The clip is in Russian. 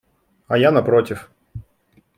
а я напротив.